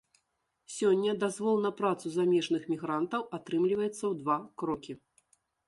Сёння дазвол на працу замежных мігрантаў атрымліваецца ў два крокі.